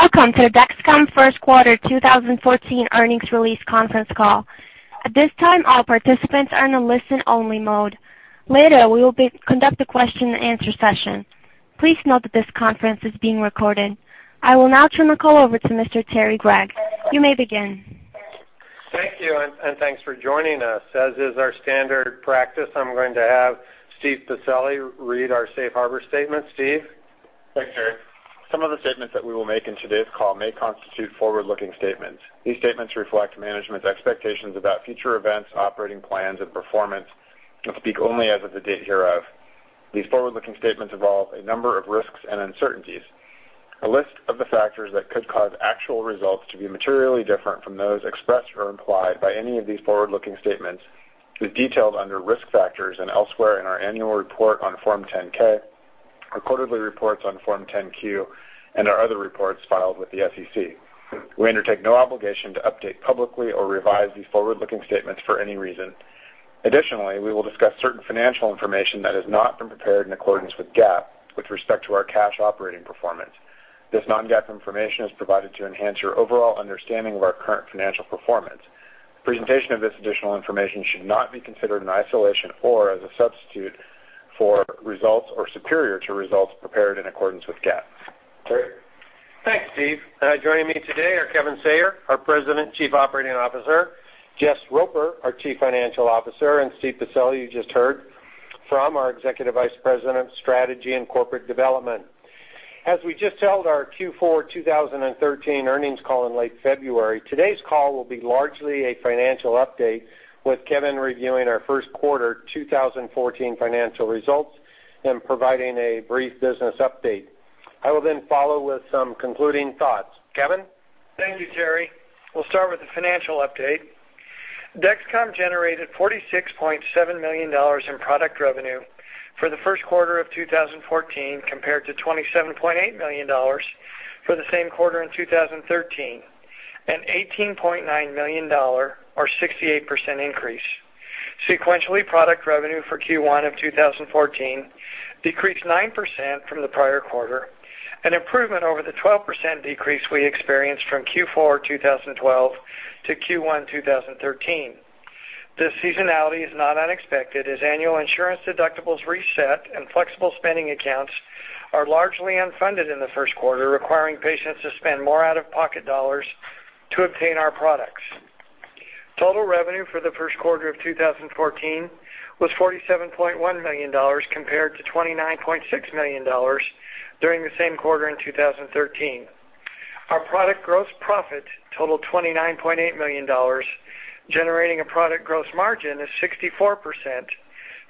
Welcome to Dexcom first quarter 2014 earnings release conference call. At this time, all participants are in a listen-only mode. Later, we will conduct a question and answer session. Please note that this conference is being recorded. I will now turn the call over to Mr. Terry Gregg. You may begin. Thank you, and thanks for joining us. As is our standard practice, I'm going to have Steve Pacelli read our safe harbor statement. Steve? Thanks, Terry. Some of the statements that we will make in today's call may constitute forward-looking statements. These statements reflect management's expectations about future events, operating plans, and performance, and speak only as of the date hereof. These forward-looking statements involve a number of risks and uncertainties. A list of the factors that could cause actual results to be materially different from those expressed or implied by any of these forward-looking statements is detailed under Risk Factors and elsewhere in our annual report on Form 10-K, our quarterly reports on Form 10-Q, and our other reports filed with the SEC. We undertake no obligation to update publicly or revise these forward-looking statements for any reason. Additionally, we will discuss certain financial information that has not been prepared in accordance with GAAP with respect to our cash operating performance. This non-GAAP information is provided to enhance your overall understanding of our current financial performance. Presentation of this additional information should not be considered in isolation or as a substitute for results or superior to results prepared in accordance with GAAP. Terry? Thanks, Steve. Joining me today are Kevin Sayer, our President and Chief Operating Officer, Jess Roper, our Chief Financial Officer, and Steve Pacelli, you just heard from, our Executive Vice President of Strategy and Corporate Development. As we just held our Q4 2013 earnings call in late February, today's call will be largely a financial update with Kevin reviewing our first quarter 2014 financial results and providing a brief business update. I will then follow with some concluding thoughts. Kevin? Thank you, Terry. We'll start with the financial update. Dexcom generated $46.7 million in product revenue for the first quarter of 2014 compared to $27.8 million for the same quarter in 2013, an $18.9 million-dollar or 68% increase. Sequentially, product revenue for Q1 of 2014 decreased 9% from the prior quarter, an improvement over the 12% decrease we experienced from Q4 2012 to Q1 2013. This seasonality is not unexpected as annual insurance deductibles reset and flexible spending accounts are largely unfunded in the first quarter, requiring patients to spend more out-of-pocket dollars to obtain our products. Total revenue for the first quarter of 2014 was $47.1 million compared to $29.6 million during the same quarter in 2013. Our product gross profit totaled $29.8 million, generating a product gross margin of 64%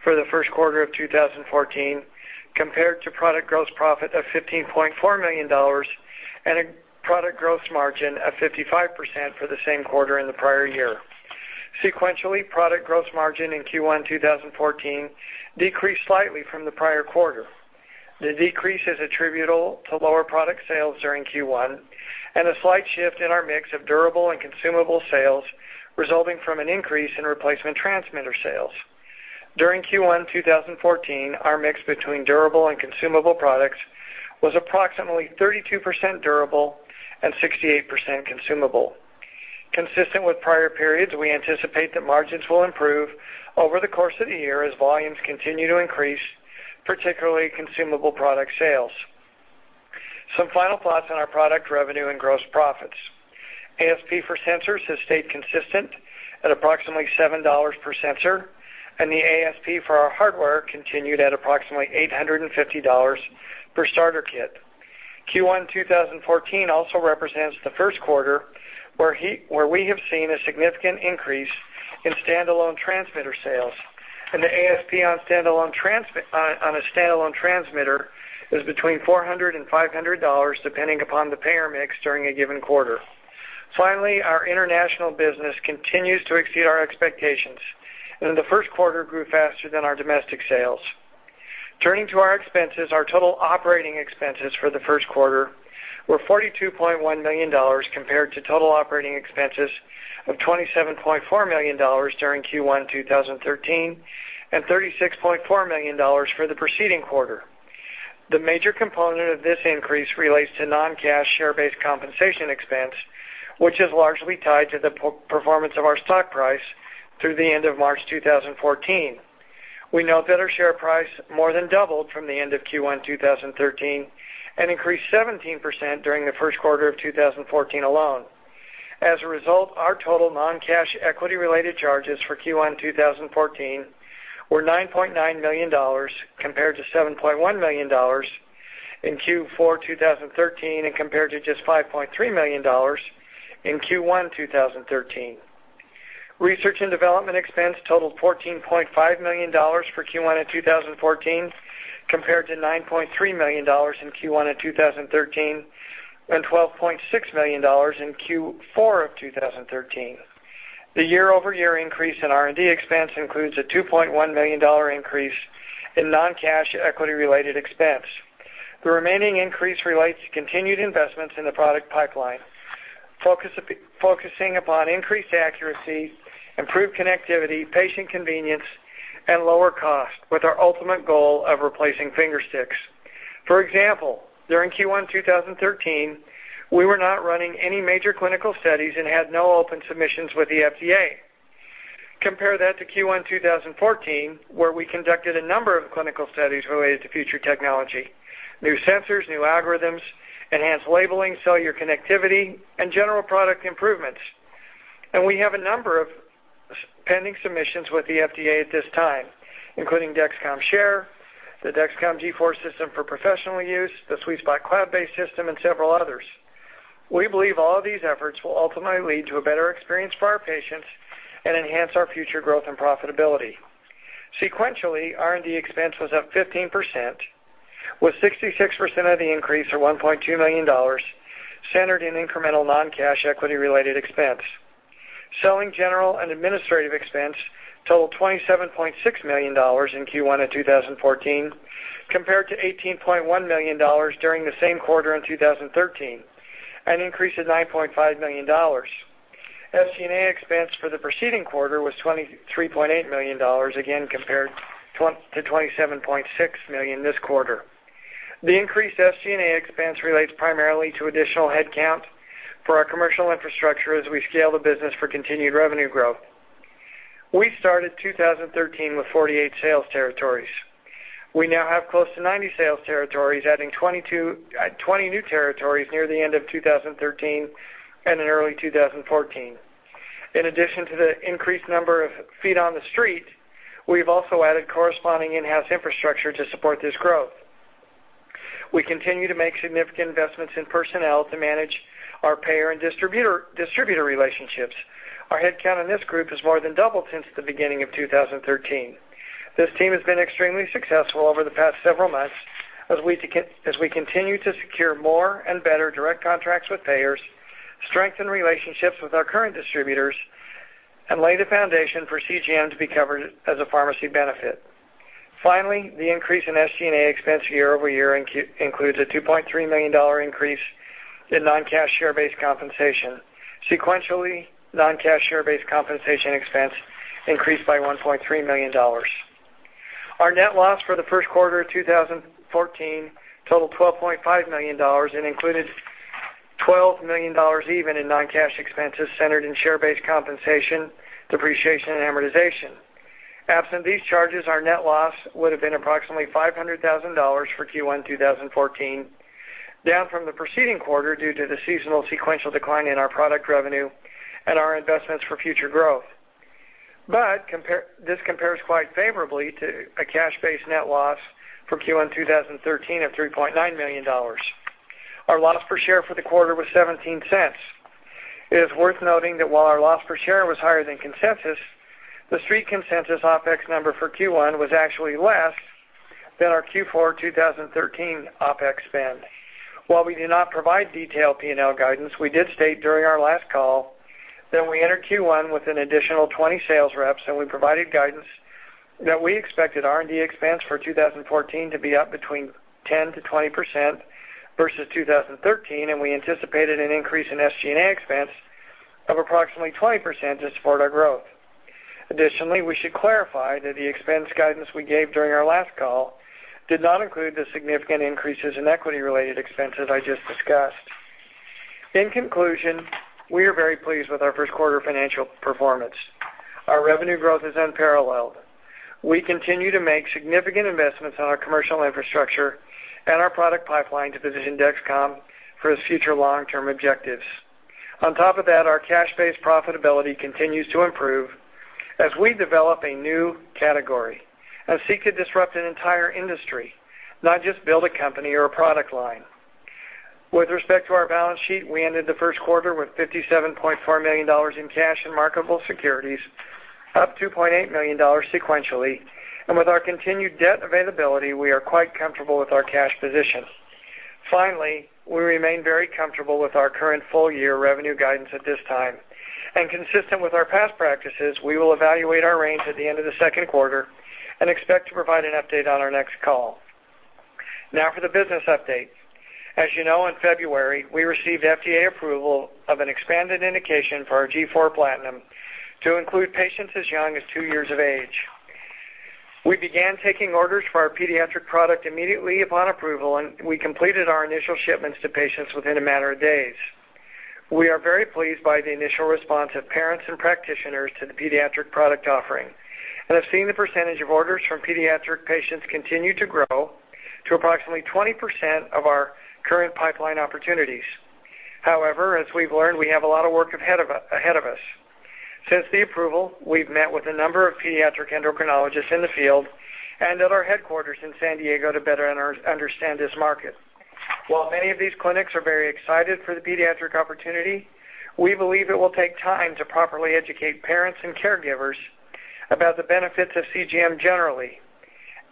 for the first quarter of 2014 compared to product gross profit of $15.4 million and a product gross margin of 55% for the same quarter in the prior year. Sequentially, product gross margin in Q1 2014 decreased slightly from the prior quarter. The decrease is attributable to lower product sales during Q1 and a slight shift in our mix of durable and consumable sales resulting from an increase in replacement transmitter sales. During Q1 2014, our mix between durable and consumable products was approximately 32% durable and 68% consumable. Consistent with prior periods, we anticipate that margins will improve over the course of the year as volumes continue to increase, particularly consumable product sales. Some final thoughts on our product revenue and gross profits. ASP for sensors has stayed consistent at approximately $7 per sensor, and the ASP for our hardware continued at approximately $850 per starter kit. Q1 2014 also represents the first quarter where we have seen a significant increase in standalone transmitter sales, and the ASP on a standalone transmitter is between $400 and $500, depending upon the payer mix during a given quarter. Finally, our international business continues to exceed our expectations and in the first quarter grew faster than our domestic sales. Turning to our expenses, our total operating expenses for the first quarter were $42.1 million compared to total operating expenses of $27.4 million during Q1 2013 and $36.4 million for the preceding quarter. The major component of this increase relates to non-cash share-based compensation expense, which is largely tied to the performance of our stock price through the end of March 2014. We note that our share price more than doubled from the end of Q1 2013 and increased 17% during the first quarter of 2014 alone. As a result, our total non-cash equity-related charges for Q1 2014 were $9.9 million compared to $7.1 million in Q4 2013 and compared to just $5.3 million in Q1 2013. Research and development expense totaled $14.5 million for Q1 in 2014 compared to $9.3 million in Q1 in 2013 and $12.6 million in Q4 of 2013. The year-over-year increase in R&D expense includes a $2.1 million increase in non-cash equity-related expense. The remaining increase relates to continued investments in the product pipeline. Focusing upon increased accuracy, improved connectivity, patient convenience, and lower cost, with our ultimate goal of replacing finger sticks. For example, during Q1 2013, we were not running any major clinical studies and had no open submissions with the FDA. Compare that to Q1 2014, where we conducted a number of clinical studies related to future technology, new sensors, new algorithms, enhanced labeling, cellular connectivity, and general product improvements. We have a number of pending submissions with the FDA at this time, including Dexcom Share, the Dexcom G4 system for professional use, the SweetSpot cloud-based system, and several others. We believe all of these efforts will ultimately lead to a better experience for our patients and enhance our future growth and profitability. Sequentially, R&D expense was up 15%, with 66% of the increase, or $1.2 million, centered in incremental non-cash equity-related expense. Selling, general, and administrative expense totaled $27.6 million in Q1 of 2014 compared to $18.1 million during the same quarter in 2013, an increase of $9.5 million. SG&A expense for the preceding quarter was $23.8 million, again compared to $27.6 million this quarter. The increased SG&A expense relates primarily to additional headcount for our commercial infrastructure as we scale the business for continued revenue growth. We started 2013 with 48 sales territories. We now have close to 90 sales territories, adding twenty new territories near the end of 2013 and in early 2014. In addition to the increased number of feet on the street, we've also added corresponding in-house infrastructure to support this growth. We continue to make significant investments in personnel to manage our payer and distributor relationships. Our headcount in this group has more than doubled since the beginning of 2013. This team has been extremely successful over the past several months as we continue to secure more and better direct contracts with payers, strengthen relationships with our current distributors, and lay the foundation for CGM to be covered as a pharmacy benefit. Finally, the increase in SG&A expense year over year includes a $2.3 million increase in non-cash share-based compensation. Sequentially, non-cash share-based compensation expense increased by $1.3 million. Our net loss for the first quarter of 2014 totaled $12.5 million and included $12 million even in non-cash expenses centered in share-based compensation, depreciation, and amortization. Absent these charges, our net loss would have been approximately $500,000 for Q1 2014, down from the preceding quarter due to the seasonal sequential decline in our product revenue and our investments for future growth. This compares quite favorably to a cash-based net loss for Q1 2013 of $3.9 million. Our loss per share for the quarter was $0.17. It is worth noting that while our loss per share was higher than consensus, the street consensus OpEx number for Q1 was actually less than our Q4 2013 OpEx spend. While we do not provide detailed P&L guidance, we did state during our last call that we entered Q1 with an additional 20 sales reps, and we provided guidance that we expected R&D expense for 2014 to be up between 10%-20% versus 2013, and we anticipated an increase in SG&A expense of approximately 20% to support our growth. Additionally, we should clarify that the expense guidance we gave during our last call did not include the significant increases in equity-related expenses I just discussed. In conclusion, we are very pleased with our first quarter financial performance. Our revenue growth is unparalleled. We continue to make significant investments in our commercial infrastructure and our product pipeline to position Dexcom for its future long-term objectives. On top of that, our cash-based profitability continues to improve as we develop a new category and seek to disrupt an entire industry, not just build a company or a product line. With respect to our balance sheet, we ended the first quarter with $57.4 million in cash and marketable securities, up $2.8 million sequentially. With our continued debt availability, we are quite comfortable with our cash position. Finally, we remain very comfortable with our current full-year revenue guidance at this time. Consistent with our past practices, we will evaluate our range at the end of the second quarter and expect to provide an update on our next call. Now for the business update. As you know, in February, we received FDA approval of an expanded indication for our G4 PLATINUM to include patients as young as two years of age. We began taking orders for our pediatric product immediately upon approval, and we completed our initial shipments to patients within a matter of days. We are very pleased by the initial response of parents and practitioners to the pediatric product offering and have seen the percentage of orders from pediatric patients continue to grow to approximately 20% of our current pipeline opportunities. However, as we've learned, we have a lot of work ahead of us. Since the approval, we've met with a number of pediatric endocrinologists in the field and at our headquarters in San Diego to better understand this market. While many of these clinics are very excited for the pediatric opportunity, we believe it will take time to properly educate parents and caregivers about the benefits of CGM generally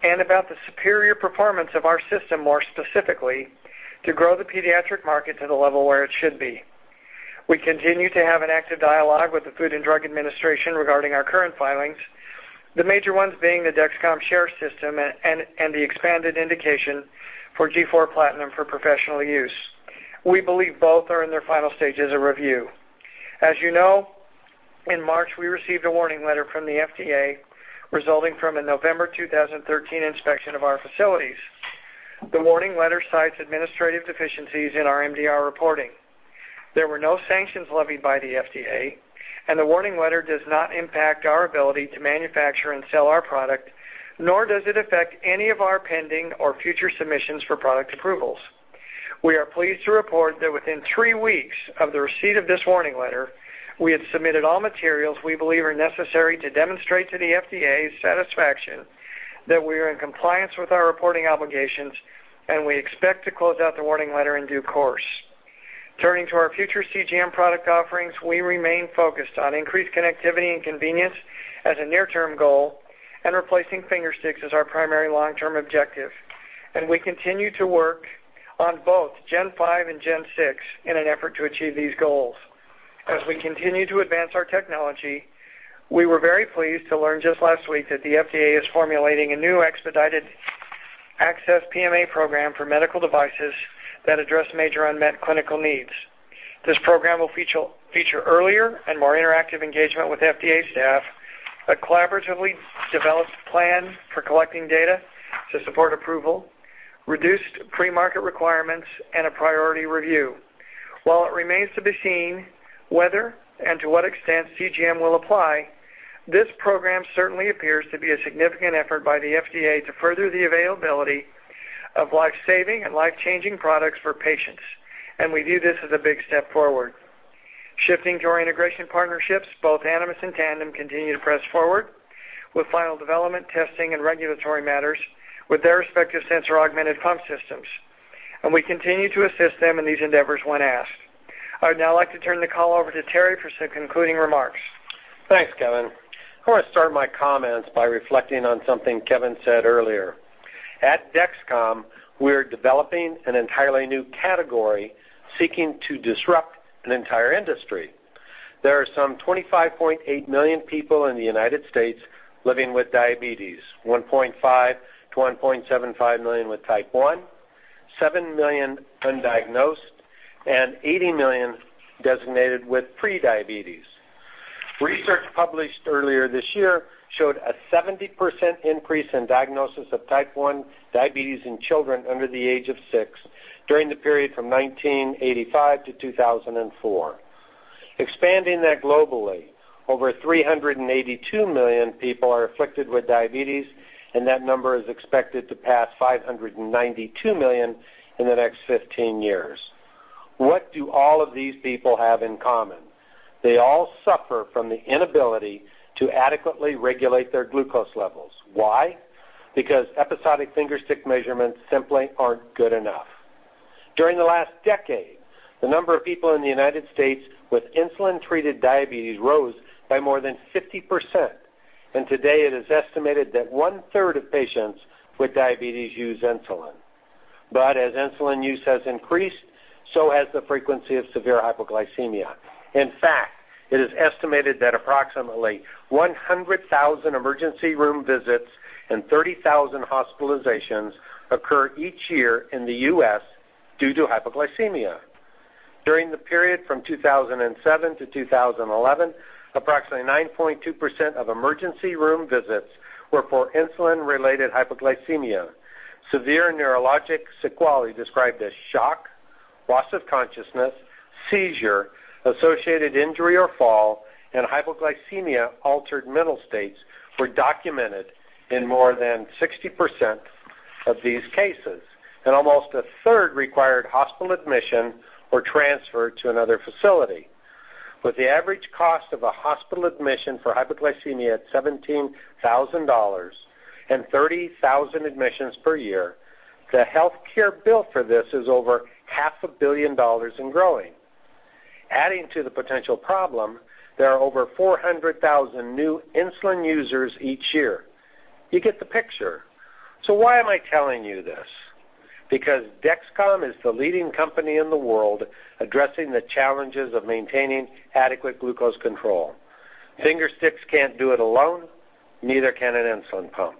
and about the superior performance of our system more specifically to grow the pediatric market to the level where it should be. We continue to have an active dialogue with the Food and Drug Administration regarding our current filings. The major ones being the Dexcom Share system and the expanded indication for G4 PLATINUM for professional use. We believe both are in their final stages of review. As you know, in March, we received a warning letter from the FDA resulting from a November 2013 inspection of our facilities. The warning letter cites administrative deficiencies in our MDR reporting. There were no sanctions levied by the FDA, and the warning letter does not impact our ability to manufacture and sell our product, nor does it affect any of our pending or future submissions for product approvals. We are pleased to report that within three weeks of the receipt of this warning letter, we had submitted all materials we believe are necessary to demonstrate to the FDA's satisfaction that we are in compliance with our reporting obligations, and we expect to close out the warning letter in due course. Turning to our future CGM product offerings, we remain focused on increased connectivity and convenience as a near-term goal and replacing finger sticks as our primary long-term objective. We continue to work on both Gen 5 and Gen 6 in an effort to achieve these goals. As we continue to advance our technology, we were very pleased to learn just last week that the FDA is formulating a new expedited access PMA program for medical devices that address major unmet clinical needs. This program will feature earlier and more interactive engagement with FDA staff, a collaboratively developed plan for collecting data to support approval, reduced pre-market requirements, and a priority review. While it remains to be seen whether and to what extent CGM will apply, this program certainly appears to be a significant effort by the FDA to further the availability of life-saving and life-changing products for patients, and we view this as a big step forward. Shifting to our integration partnerships, both Animas and Tandem continue to press forward with final development, testing, and regulatory matters with their respective sensor-augmented pump systems. We continue to assist them in these endeavors when asked. I would now like to turn the call over to Terry for some concluding remarks. Thanks, Kevin. I want to start my comments by reflecting on something Kevin said earlier. At Dexcom, we're developing an entirely new category seeking to disrupt an entire industry. There are some 25.8 million people in the U.S. Living with diabetes, 1.5-1.75 million with Type 1, 7 million undiagnosed, and 80 million designated with prediabetes. Research published earlier this year showed a 70% increase in diagnosis of Type 1 diabetes in children under the age of six during the period from 1985 to 2004. Expanding that globally, over 382 million people are afflicted with diabetes, and that number is expected to pass 592 million in the next 15 years. What do all of these people have in common? They all suffer from the inability to adequately regulate their glucose levels. Why? Because episodic finger stick measurements simply aren't good enough. During the last decade, the number of people in the U.S. With insulin-treated diabetes rose by more than 50%, and today it is estimated that one-third of patients with diabetes use insulin. As insulin use has increased, so has the frequency of severe hypoglycemia. In fact, it is estimated that approximately 100,000 emergency room visits and 30,000 hospitalizations occur each year in the U.S. due to hypoglycemia. During the period from 2007 to 2011, approximately 9.2% of emergency room visits were for insulin-related hypoglycemia. Severe neurologic sequelae described as shock, loss of consciousness, seizure, associated injury or fall, and hypoglycemia-altered mental states were documented in more than 60% of these cases, and almost a third required hospital admission or transfer to another facility. With the average cost of a hospital admission for hypoglycemia at $17,000 and 30,000 admissions per year, the healthcare bill for this is over half a billion dollars and growing. Adding to the potential problem, there are over 400,000 new insulin users each year. You get the picture. Why am I telling you this? Because Dexcom is the leading company in the world addressing the challenges of maintaining adequate glucose control. Finger sticks can't do it alone, neither can an insulin pump.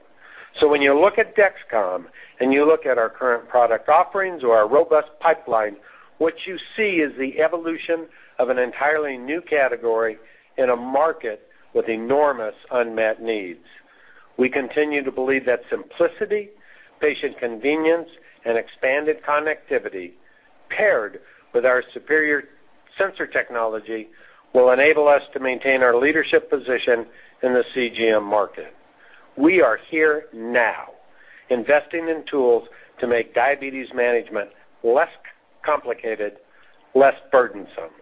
When you look at Dexcom and you look at our current product offerings or our robust pipeline, what you see is the evolution of an entirely new category in a market with enormous unmet needs. We continue to believe that simplicity, patient convenience, and expanded connectivity paired with our superior sensor technology will enable us to maintain our leadership position in the CGM market. We are here now investing in tools to make diabetes management less complicated, less burdensome.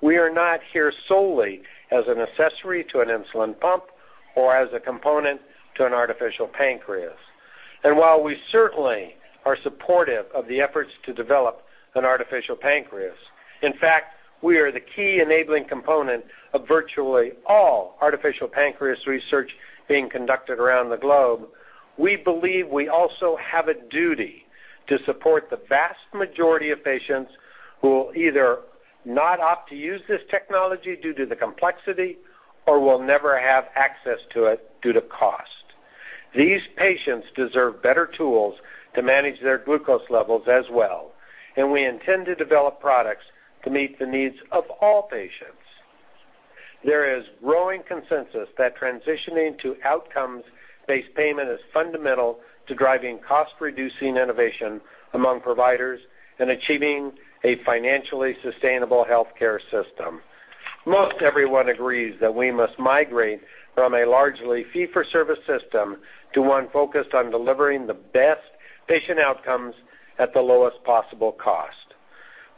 We are not here solely as an accessory to an insulin pump or as a component to an artificial pancreas. While we certainly are supportive of the efforts to develop an artificial pancreas, in fact, we are the key enabling component of virtually all artificial pancreas research being conducted around the globe. We believe we also have a duty to support the vast majority of patients who will either not opt to use this technology due to the complexity or will never have access to it due to cost. These patients deserve better tools to manage their glucose levels as well, and we intend to develop products to meet the needs of all patients. There is growing consensus that transitioning to outcomes-based payment is fundamental to driving cost-reducing innovation among providers and achieving a financially sustainable healthcare system. Most everyone agrees that we must migrate from a largely fee-for-service system to one focused on delivering the best patient outcomes at the lowest possible cost.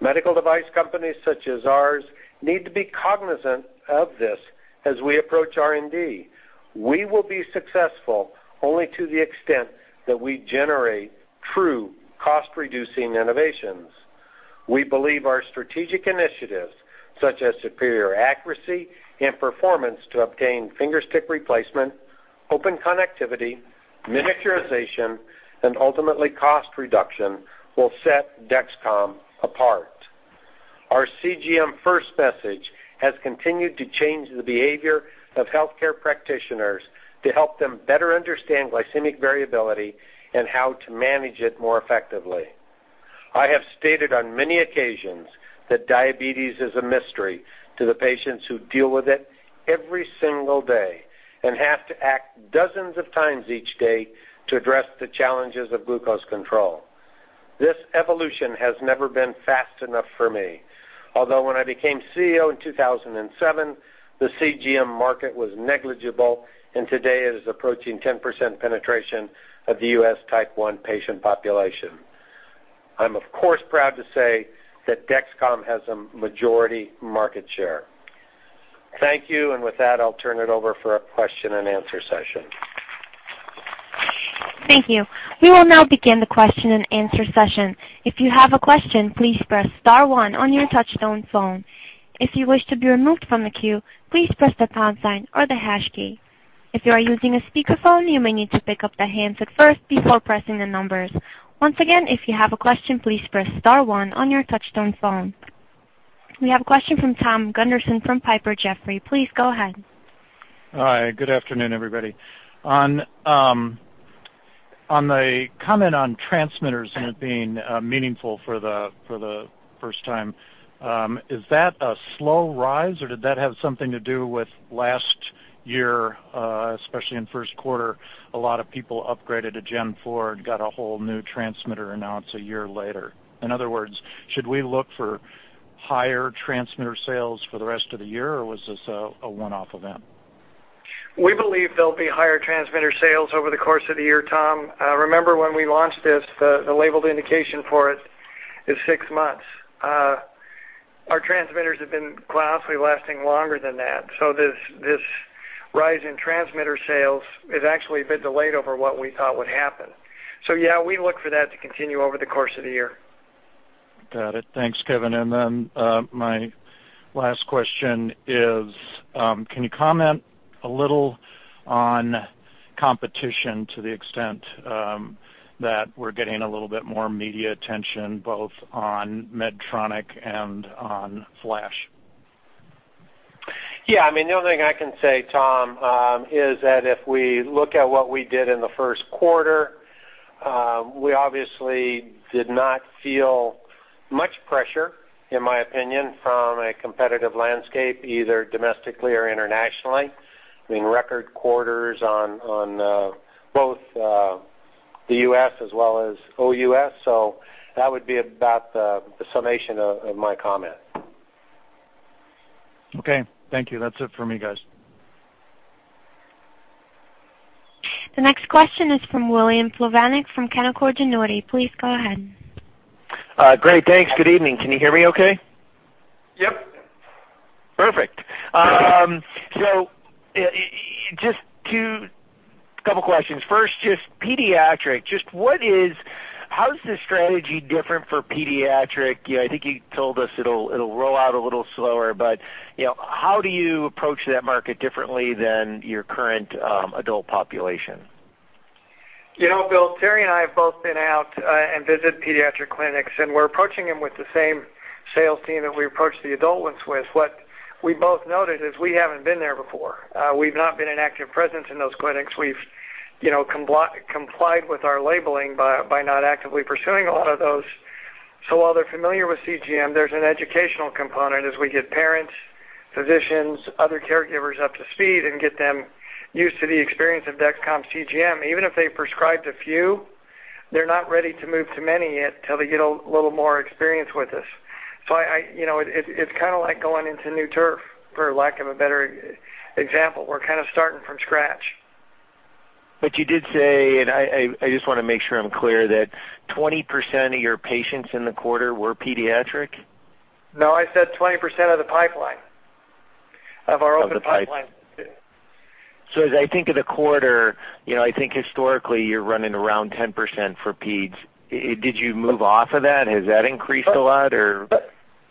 Medical device companies such as ours need to be cognizant of this as we approach R&D. We will be successful only to the extent that we generate true cost-reducing innovations. We believe our strategic initiatives, such as superior accuracy and performance to obtain finger stick replacement, open connectivity, miniaturization, and ultimately cost reduction will set Dexcom apart. Our CGM first message has continued to change the behavior of healthcare practitioners to help them better understand glycemic variability and how to manage it more effectively. I have stated on many occasions that diabetes is a mystery to the patients who deal with it every single day and have to act dozens of times each day to address the challenges of glucose control. This evolution has never been fast enough for me. Although when I became CEO in 2007, the CGM market was negligible, and today it is approaching 10% penetration of the U.S. Type 1 patient population. I'm of course proud to say that Dexcom has a majority market share. Thank you. With that, I'll turn it over for a question-and-answer session. Thank you. We will now begin the question-and-answer session. If you have a question, please press star one on your touch-tone phone. If you wish to be removed from the queue, please press the pound sign or the hash key. If you are using a speakerphone, you may need to pick up the handset first before pressing the numbers. Once again, if you have a question, please press star one on your touch-tone phone. We have a question from Thom Gunderson from Piper Jaffray. Please go ahead. Hi. Good afternoon, everybody. On the comment on transmitters and it being meaningful for the first time, is that a slow rise, or did that have something to do with last year, especially in first quarter, a lot of people upgraded to G4 and got a whole new transmitter, and now it's a year later. In other words, should we look for higher transmitter sales for the rest of the year, or was this a one-off event? We believe there'll be higher transmitter sales over the course of the year, Tom. Remember when we launched this, the labeled indication for it is six months. Our transmitters have been grossly lasting longer than that. This rise in transmitter sales is actually a bit delayed over what we thought would happen. Yeah, we look for that to continue over the course of the year. Got it. Thanks, Kevin. My last question is, can you comment a little on competition to the extent that we're getting a little bit more media attention both on Medtronic and on Flash? Yeah. I mean, the only thing I can say, Tom, is that if we look at what we did in the first quarter, we obviously did not feel much pressure, in my opinion, from a competitive landscape, either domestically or internationally. I mean, record quarters on both the U.S. as well as OUS, so that would be about the summation of my comment. Okay. Thank you. That's it for me, guys. The next question is from William Plovanic from Canaccord Genuity. Please go ahead. Great. Thanks. Good evening. Can you hear me okay? Yep. Perfect. Just a couple questions. First, how is the strategy different for pediatric? You know, I think you told us it'll roll out a little slower, but, you know, how do you approach that market differently than your current adult population? You know, Bill, Terry and I have both been out and visit pediatric clinics, and we're approaching them with the same sales team that we approach the adult ones with. What we both noted is we haven't been there before. We've not been an active presence in those clinics. We've, you know, complied with our labeling by not actively pursuing a lot of those. So while they're familiar with CGM, there's an educational component as we get parents, physicians, other caregivers up to speed and get them used to the experience of Dexcom's CGM. Even if they prescribed a few, they're not ready to move to many yet till they get a little more experience with this. So I, you know, it's kinda like going into new turf, for lack of a better example. We're kind of starting from scratch. You did say, and I just wanna make sure I'm clear, that 20% of your patients in the quarter were pediatric? No, I said 20% of the pipeline, of our open pipeline. Of the pipeline. As I think of the quarter, you know, I think historically you're running around 10% for peds. Did you move off of that? Has that increased a lot, or?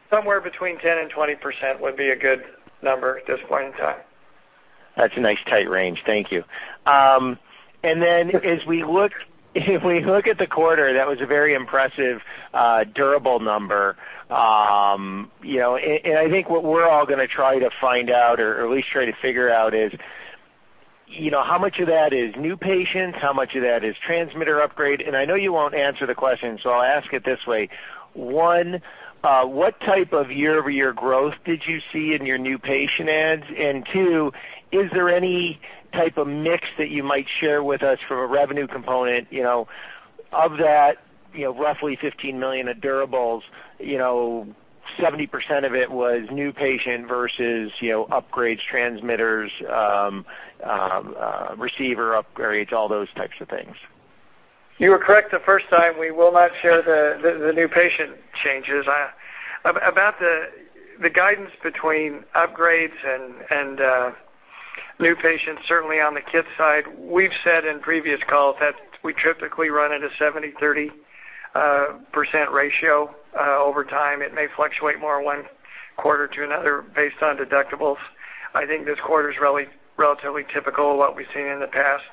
Somewhere between 10% and 20% would be a good number at this point in time. That's a nice tight range. Thank you. If we look at the quarter, that was a very impressive durable number. You know, and I think what we're all gonna try to find out, or at least try to figure out is, you know, how much of that is new patients? How much of that is transmitter upgrade? I know you won't answer the question, so I'll ask it this way. One, what type of year-over-year growth did you see in your new patient adds? Two, is there any type of mix that you might share with us from a revenue component, you know, of that, you know, roughly $15 million of durables, you know, 70% of it was new patient versus, you know, upgrades, transmitters, receiver upgrades, all those types of things. You were correct the first time. We will not share the new patient changes. About the guidance between upgrades and new patients, certainly on the kids side, we've said in previous calls that we typically run at a 70-30% ratio. Over time, it may fluctuate from one quarter to another based on deductibles. I think this quarter's really relatively typical of what we've seen in the past.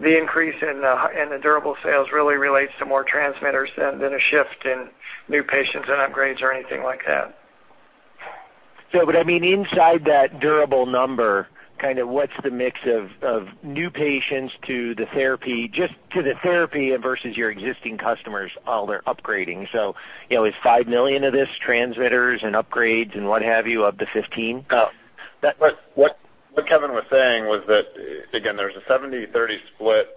The increase in the durable sales really relates to more transmitters than a shift in new patients and upgrades or anything like that. Yeah. I mean, inside that durable number, kind of what's the mix of new patients to the therapy, just to the therapy versus your existing customers, all their upgrading. You know, is $5 million of this transmitters and upgrades and what have you, up to $15 million? Oh. What Kevin was saying was that, again, there's a 70-30 split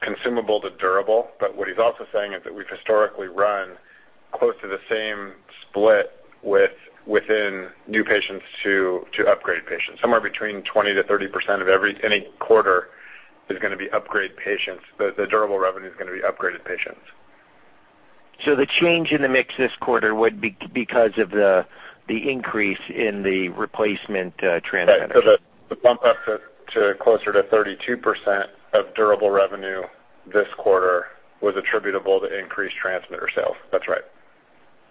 consumable to durable, but what he's also saying is that we've historically run close to the same split within new patients to upgrade patients. Somewhere between 20%-30% of any quarter is gonna be upgrade patients. The durable revenue is gonna be upgraded patients. The change in the mix this quarter would be because of the increase in the replacement transmitters. Right. The bump up to closer to 32% of durable revenue this quarter was attributable to increased transmitter sales. That's right.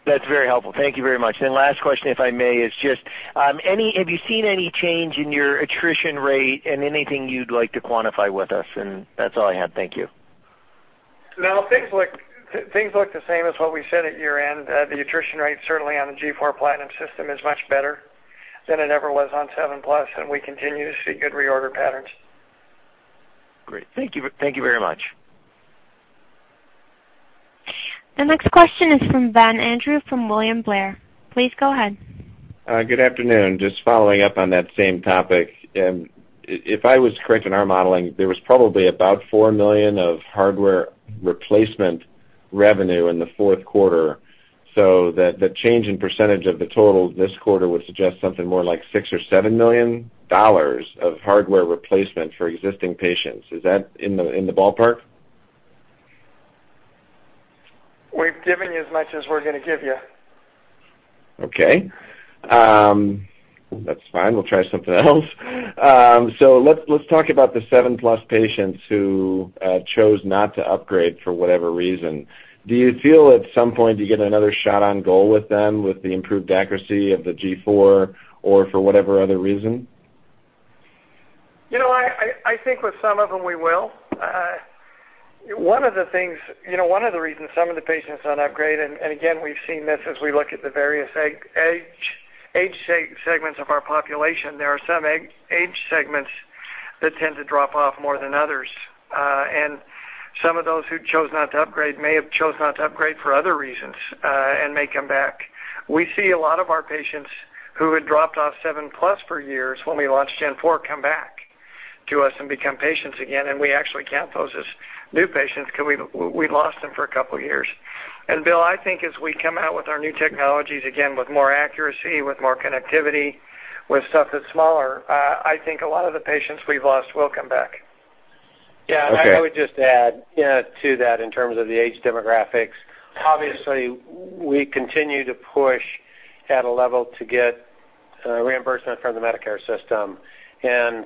That's very helpful. Thank you very much. Last question, if I may, is just, have you seen any change in your attrition rate and anything you'd like to quantify with us? That's all I had. Thank you. No. Things look the same as what we said at year-end. The attrition rate, certainly on the G4 PLATINUM system is much better than it ever was on Seven Plus, and we continue to see good reorder patterns. Great. Thank you. Thank you very much. The next question is from Ben Andrew from William Blair. Please go ahead. Good afternoon. Just following up on that same topic. If I was correct in our modeling, there was probably about $4 million of hardware replacement revenue in the fourth quarter, so that the change in percentage of the total this quarter would suggest something more like $6 million or $7 million of hardware replacement for existing patients. Is that in the ballpark? We've given you as much as we're gonna give you. Okay. That's fine. We'll try something else. Let's talk about the Seven Plus patients who chose not to upgrade for whatever reason. Do you feel at some point you get another shot on goal with them with the improved accuracy of the G4 or for whatever other reason? You know, I think with some of them, we will. One of the things, you know, one of the reasons some of the patients don't upgrade, again, we've seen this as we look at the various age segments of our population, there are some age segments that tend to drop off more than others. Some of those who chose not to upgrade may have chosen not to upgrade for other reasons, and may come back. We see a lot of our patients who had dropped off Seven Plus for years when we launched G4, come back to us and become patients again, and we actually count those as new patients 'cause we lost them for a couple of years. Bill, I think as we come out with our new technologies, again, with more accuracy, with more connectivity, with stuff that's smaller, I think a lot of the patients we've lost will come back. Okay. Yeah. I would just add, you know, to that in terms of the age demographics, obviously, we continue to push at a level to get reimbursement from the Medicare system.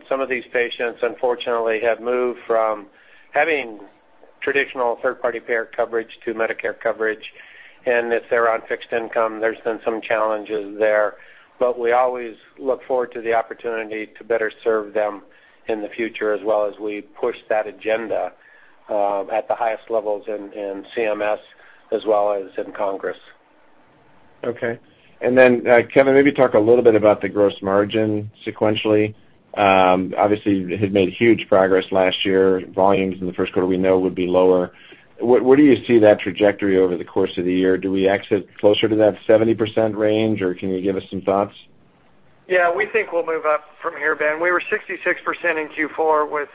Some of these patients, unfortunately, have moved from having traditional third-party payer coverage to Medicare coverage. If they're on fixed income, there's been some challenges there, but we always look forward to the opportunity to better serve them in the future as well as we push that agenda at the highest levels in CMS as well as in Congress. Okay. Kevin, maybe talk a little bit about the gross margin sequentially. Obviously, you had made huge progress last year. Volumes in the first quarter, we know would be lower. What do you see that trajectory over the course of the year? Do we exit closer to that 70% range, or can you give us some thoughts? Yeah. We think we'll move up from here, Ben. We were 66% in Q4 with,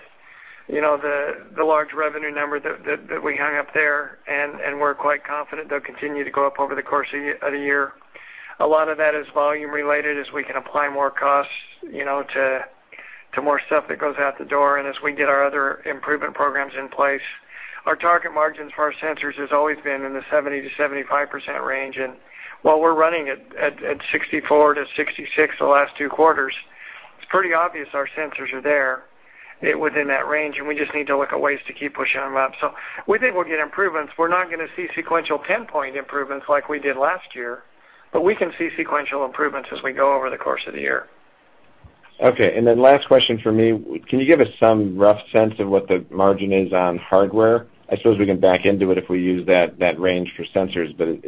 you know, the large revenue number that we hung up there, and we're quite confident they'll continue to go up over the course of the year. A lot of that is volume-related as we can apply more costs, you know, to more stuff that goes out the door and as we get our other improvement programs in place. Our target margins for our sensors has always been in the 70%-75% range. While we're running at 64%-66% the last two quarters, it's pretty obvious our sensors are there within that range, and we just need to look at ways to keep pushing them up. We think we'll get improvements. We're not gonna see sequential 10-point improvements like we did last year, but we can see sequential improvements as we go over the course of the year. Okay. Last question for me. Can you give us some rough sense of what the margin is on hardware? I suppose we can back into it if we use that range for sensors, but is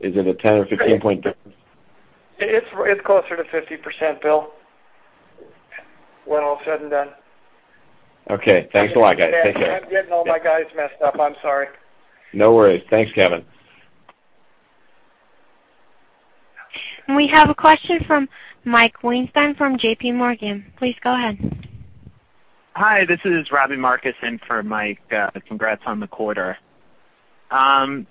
it a 10 or 15 point difference? It's closer to 50%, William, when all is said and done. Okay, thanks a lot, guys. Take care. I'm getting all my guys messed up. I'm sorry. No worries. Thanks, Kevin. We have a question from Mike Weinstein from JPMorgan. Please go ahead. Hi, this is Robbie Marcus in for Mike. Congrats on the quarter. Can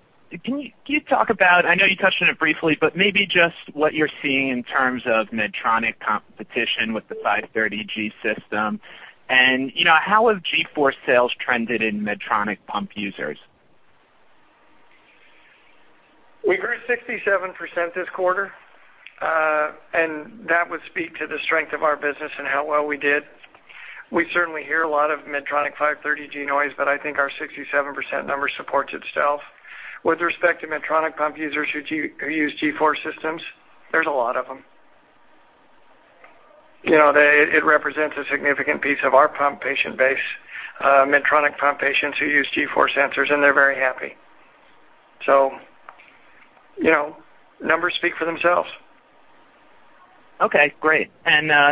you talk about—I know you touched on it briefly, but maybe just what you're seeing in terms of Medtronic competition with the MiniMed 530G system. You know, how have G4 sales trended in Medtronic pump users? We grew 67% this quarter, and that would speak to the strength of our business and how well we did. We certainly hear a lot of Medtronic MiniMed 530G noise, but I think our 67% number supports itself. With respect to Medtronic pump users who use G4 systems, there's a lot of them. You know, it represents a significant piece of our pump patient base, Medtronic pump patients who use G4 sensors, and they're very happy. You know, numbers speak for themselves. Okay, great.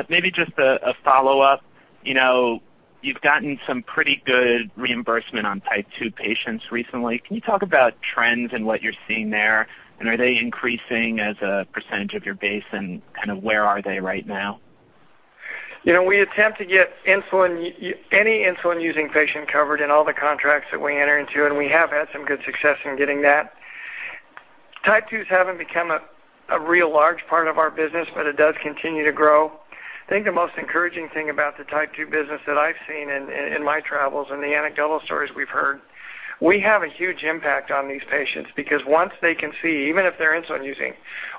Maybe just a follow-up. You know, you've gotten some pretty good reimbursement on Type 2 patients recently. Can you talk about trends and what you're seeing there? And are they increasing as a percentage of your base, and kind of where are they right now? You know, we attempt to get any insulin-using patient covered in all the contracts that we enter into, and we have had some good success in getting that. Type 2s haven't become a real large part of our business, but it does continue to grow. I think the most encouraging thing about the Type 2 business that I've seen in my travels and the anecdotal stories we've heard, we have a huge impact on these patients because once they can see, even if they're insulin using,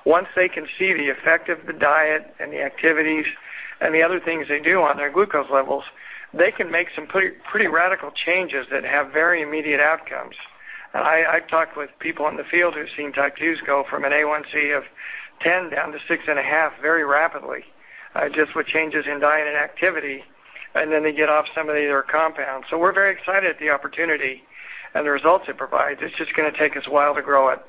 once they can see the effect of the diet and the activities and the other things they do on their glucose levels, they can make some pretty radical changes that have very immediate outcomes. I've talked with people in the field who've seen Type 2s go from an A1C of 10 down to 6.5 very rapidly, just with changes in diet and activity, and then they get off some of their compounds. We're very excited at the opportunity and the results it provides. It's just gonna take us a while to grow it.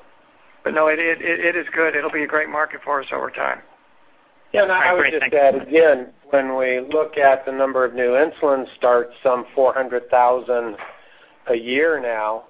No, it is good. It'll be a great market for us over time. All right, great. Thanks. Yeah. I would just add again, when we look at the number of new insulin starts, some 400,000 a year now,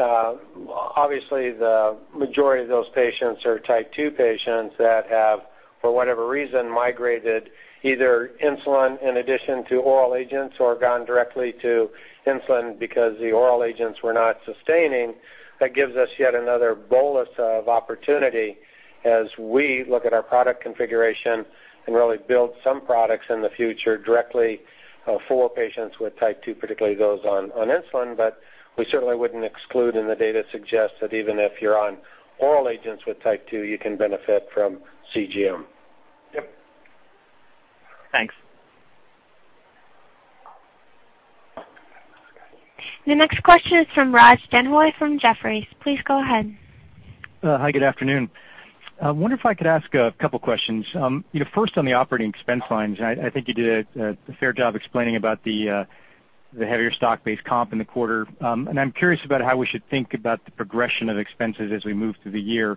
obviously, the majority of those patients are Type 2 patients that have, for whatever reason, migrated either insulin in addition to oral agents or gone directly to insulin because the oral agents were not sustaining. That gives us yet another bolus of opportunity as we look at our product configuration and really build some products in the future directly, for patients with Type 2, particularly those on insulin. We certainly wouldn't exclude, and the data suggests that even if you're on oral agents with Type 2, you can benefit from CGM. Yep. Thanks. The next question is from Raj Denhoy from Jefferies. Please go ahead. Hi, good afternoon. I wonder if I could ask a couple questions. First, on the operating expense lines, I think you did a fair job explaining about the heavier stock-based comp in the quarter. I'm curious about how we should think about the progression of expenses as we move through the year,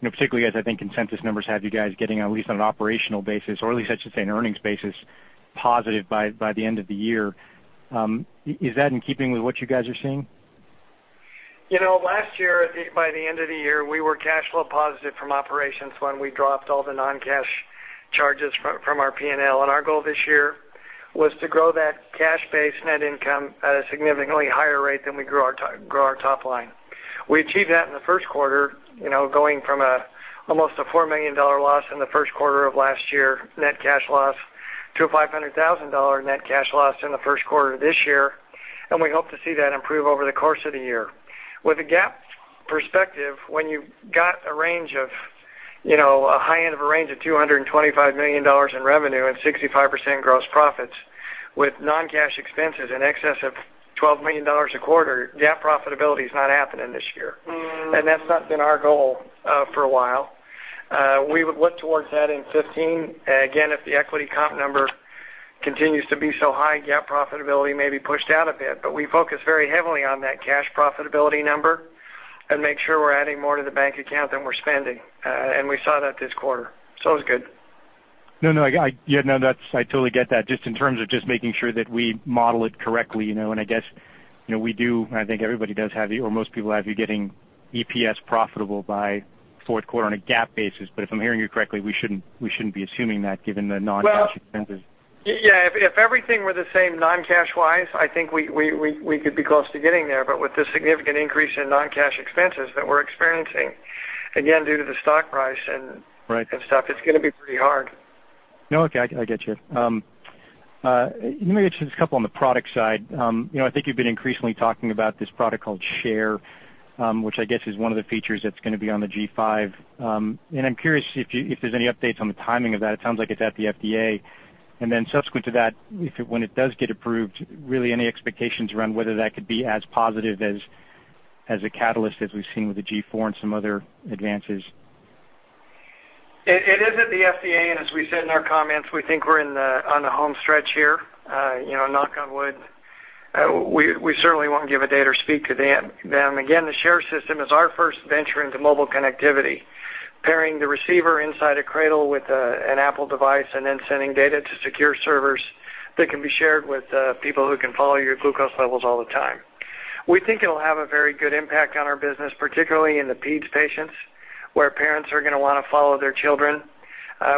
you know, particularly as I think consensus numbers have you guys getting at least on an operational basis or at least, I should say, an earnings basis, positive by the end of the year. Is that in keeping with what you guys are seeing? You know, last year, by the end of the year, we were cash flow positive from operations when we dropped all the non-cash charges from our P&L. Our goal this year was to grow that cash base net income at a significantly higher rate than we grow our top line. We achieved that in the first quarter, you know, going from almost a $4 million loss in the first quarter of last year, net cash loss, to a $500,000 net cash loss in the first quarter this year. We hope to see that improve over the course of the year. With the GAAP perspective, when you've got a range of, you know, a high end of a range of $225 million in revenue and 65% gross profits with non-cash expenses in excess of $12 million a quarter, GAAP profitability is not happening this year. That's not been our goal for a while. We would look towards that in 2015. Again, if the equity comp number continues to be so high, GAAP profitability may be pushed out a bit. We focus very heavily on that cash profitability number and make sure we're adding more to the bank account than we're spending. We saw that this quarter, so it was good. No. Yeah, no, that's. I totally get that. Just in terms of making sure that we model it correctly, you know, and I guess, you know, we do, and I think everybody does have you, or most people have you getting EPS profitable by fourth quarter on a GAAP basis. If I'm hearing you correctly, we shouldn't be assuming that given the non-cash expenses. Well, yeah, if everything were the same non-cash-wise, I think we could be close to getting there. With the significant increase in non-cash expenses that we're experiencing, again, due to the stock price and Right. Stuff, it's gonna be pretty hard. No, okay. I get you. Let me get you just a couple on the product side. You know, I think you've been increasingly talking about this product called Share, which I guess is one of the features that's gonna be on the G5. I'm curious if there's any updates on the timing of that. It sounds like it's at the FDA. Then subsequent to that, when it does get approved, really any expectations around whether that could be as positive as a catalyst, as we've seen with the G4 and some other advances. It is at the FDA. As we said in our comments, we think we're on the home stretch here. You know, knock on wood. We certainly won't give a date or speak to them. Again, the Share system is our first venture into mobile connectivity, pairing the receiver inside a cradle with an Apple device and then sending data to secure servers that can be shared with people who can follow your glucose levels all the time. We think it'll have a very good impact on our business, particularly in the peds patients, where parents are gonna wanna follow their children.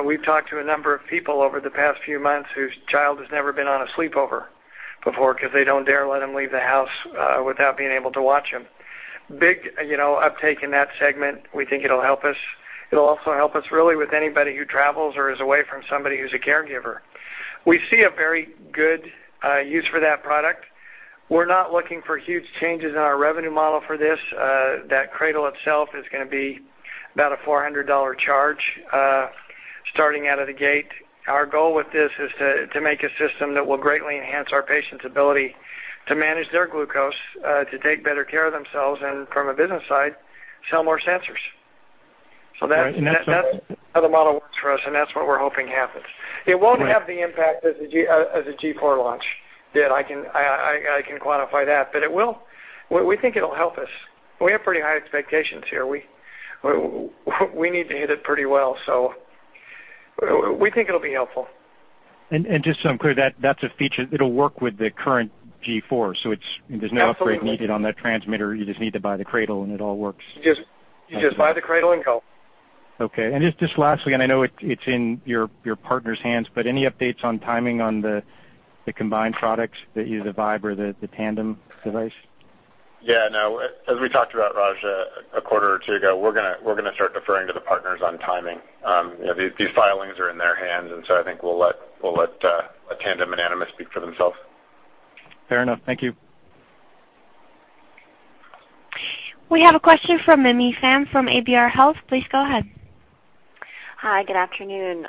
We've talked to a number of people over the past few months whose child has never been on a sleepover before because they don't dare let them leave the house without being able to watch them. Big, you know, uptake in that segment. We think it'll help us. It'll also help us really with anybody who travels or is away from somebody who's a caregiver. We see a very good use for that product. We're not looking for huge changes in our revenue model for this. That cradle itself is gonna be about a $400 charge, starting out of the gate. Our goal with this is to make a system that will greatly enhance our patients' ability to manage their glucose, to take better care of themselves, and from a business side, sell more sensors. Right. So that's- That's. How the model works for us, and that's what we're hoping happens. Right. It won't have the impact as the G4 launch did. I can quantify that. It will. We think it'll help us. We have pretty high expectations here. We need to hit it pretty well. We think it'll be helpful. Just so I'm clear, that's a feature. It'll work with the current G4, so it's Absolutely. There's no upgrade needed on that transmitter. You just need to buy the cradle and it all works. You just- Okay. You just buy the cradle and go. Okay. Just lastly, I know it's in your partner's hands, but any updates on timing on the combined products, either Vibe or the Tandem device? Yeah, no. As we talked about, Raj, a quarter or two ago, we're gonna start deferring to the partners on timing. You know, these filings are in their hands, and so I think we'll let Tandem and Animas speak for themselves. Fair enough. Thank you. We have a question from Mehdi Sam from ABR Health. Please go ahead. Hi, good afternoon.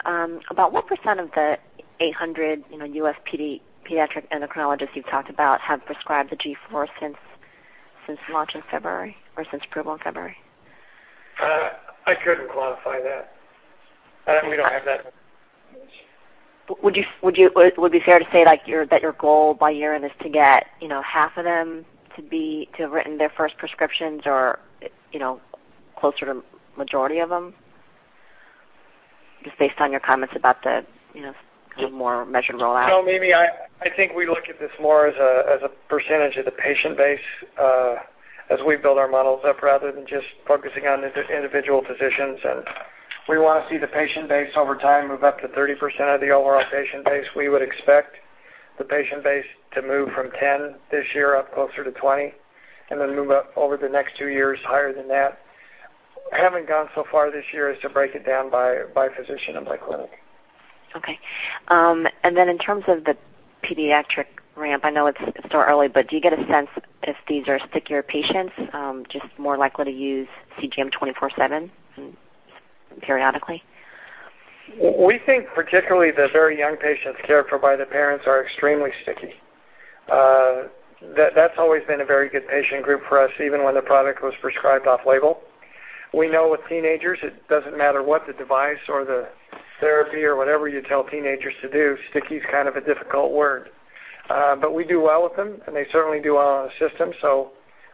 About what % of the 800, you know, US pediatric endocrinologists you've talked about have prescribed the G4 since launch in February or since approval in February? I couldn't quantify that. We don't have that. Would it be fair to say, like, that your goal by year-end is to get, you know, half of them to have written their first prescriptions or, you know, closer to majority of them? Just based on your comments about the, you know, more measured rollout. No, Mehdi, I think we look at this more as a percentage of the patient base, as we build our models up rather than just focusing on the individual physicians. We wanna see the patient base over time move up to 30% of the overall patient base. We would expect the patient base to move from 10 this year up closer to 20, and then move up over the next two years higher than that. Haven't gone so far this year as to break it down by physician and by clinic. Okay. In terms of the pediatric ramp, I know it's still early, but do you get a sense if these are stickier patients, just more likely to use CGM twenty-four seven periodically? We think particularly the very young patients cared for by the parents are extremely sticky. That's always been a very good patient group for us, even when the product was prescribed off-label. We know with teenagers, it doesn't matter what the device or the therapy or whatever you tell teenagers to do, sticky is kind of a difficult word. We do well with them, and they certainly do well on the system, so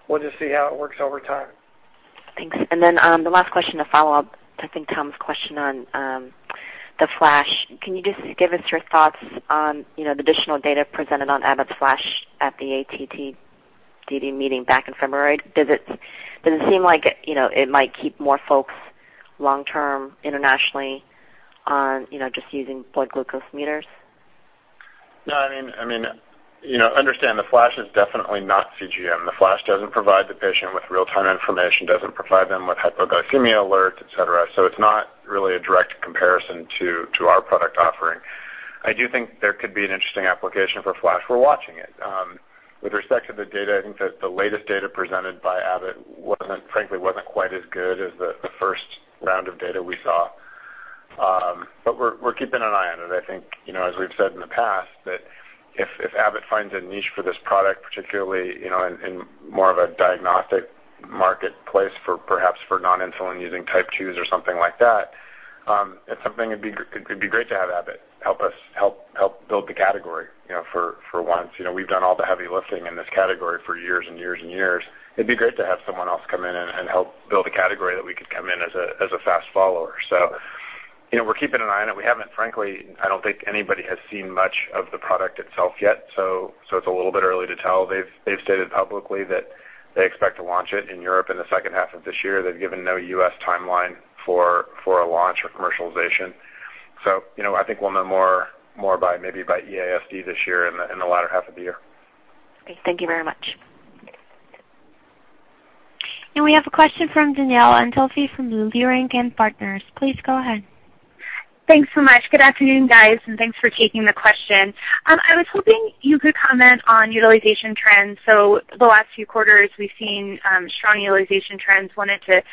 we'll just see how it works over time. Thanks. Then, the last question to follow up to, I think, Tom's question on the Flash. Can you just give us your thoughts on, you know, the additional data presented on Abbott's Flash at the ATTD meeting back in February? Does it seem like, you know, it might keep more folks long-term internationally on, you know, just using blood glucose meters? No, I mean, you know, I understand the Flash is definitely not CGM. The Flash doesn't provide the patient with real-time information, doesn't provide them with hypoglycemia alerts, et cetera. It's not really a direct comparison to our product offering. I do think there could be an interesting application for Flash. We're watching it. With respect to the data, I think that the latest data presented by Abbott wasn't frankly quite as good as the first round of data we saw. We're keeping an eye on it. I think, you know, as we've said in the past, that if Abbott finds a niche for this product, particularly, you know, in more of a diagnostic marketplace for perhaps non-insulin using Type 2s or something like that, it's something it'd be great to have Abbott help us help build the category, you know, for once. You know, we've done all the heavy lifting in this category for years and years and years. It'd be great to have someone else come in and help build a category that we could come in as a fast follower. You know, we're keeping an eye on it. We haven't. Frankly, I don't think anybody has seen much of the product itself yet, so it's a little bit early to tell. They've stated publicly that they expect to launch it in Europe in the second half of this year. They've given no U.S. timeline for a launch or commercialization. You know, I think we'll know more by maybe by EASD this year in the latter half of the year. Okay. Thank you very much. We have a question from Danielle Antalffy from Leerink Partners. Please go ahead. Thanks so much. Good afternoon, guys, and thanks for taking the question. I was hoping you could comment on utilization trends. The last few quarters, we've seen strong utilization trends. Wanted to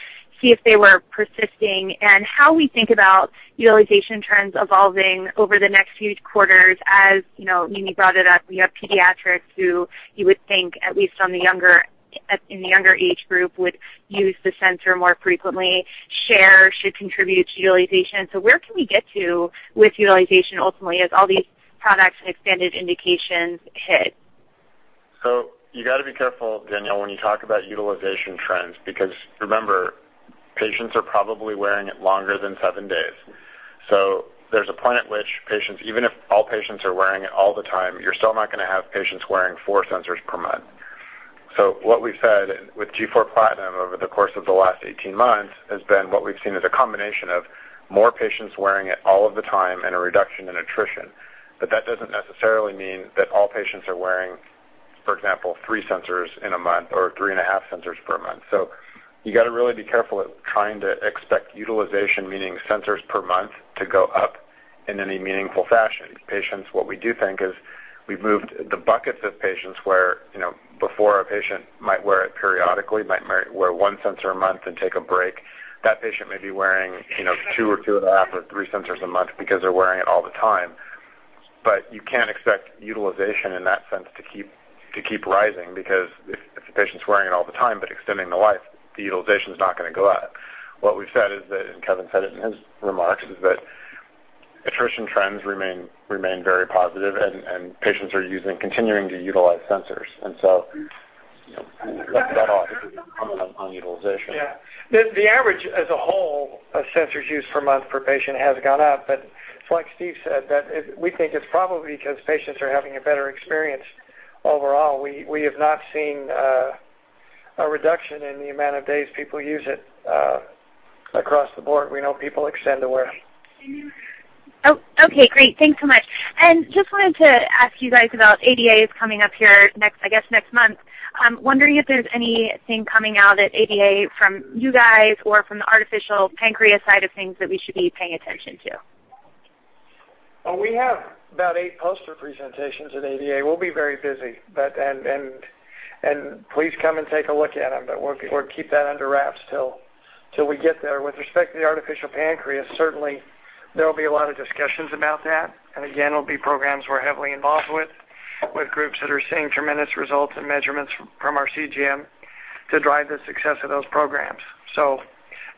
See if they were persisting and how we think about utilization trends evolving over the next few quarters, as you know, Mehdi brought it up. We have pediatrics who you would think, at least in the younger age group, would use the sensor more frequently. Share should contribute to utilization. Where can we get to with utilization ultimately as all these products and expanded indications hit? You got to be careful, Danielle, when you talk about utilization trends, because remember, patients are probably wearing it longer than seven days. There's a point at which patients, even if all patients are wearing it all the time, you're still not going to have patients wearing four sensors per month. What we've said with G4 PLATINUM over the course of the last 18 months has been what we've seen is a combination of more patients wearing it all of the time and a reduction in attrition. But that doesn't necessarily mean that all patients are wearing, for example, three sensors in a month or 3.5 sensors per month. You got to really be careful at trying to expect utilization, meaning sensors per month, to go up in any meaningful fashion. Patients, what we do think is we've moved the buckets of patients where, you know, before a patient might wear it periodically, might wear one sensor a month and take a break. That patient may be wearing, you know, two or 2.5 or three sensors a month because they're wearing it all the time. But you can't expect utilization in that sense to keep rising, because if the patient's wearing it all the time, but extending the life, the utilization is not going to go up. What we've said is that, and Kevin said it in his remarks, is that attrition trends remain very positive and patients are continuing to utilize sensors. You know, let's cut off on utilization. Yeah. The average as a whole of sensors used per month per patient has gone up. Like Steve said, we think it's probably because patients are having a better experience overall. We have not seen a reduction in the amount of days people use it across the board. We know people extend the wear. Oh, okay, great. Thanks so much. Just wanted to ask you guys about ADA is coming up here next, I guess, next month. I'm wondering if there's anything coming out at ADA from you guys or from the artificial pancreas side of things that we should be paying attention to. Well, we have about eight poster presentations at ADA. We'll be very busy. Please come and take a look at them. We'll keep that under wraps till we get there. With respect to the artificial pancreas, certainly there will be a lot of discussions about that. Again, it'll be programs we're heavily involved with groups that are seeing tremendous results and measurements from our CGM to drive the success of those programs.